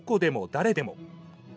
誰でも！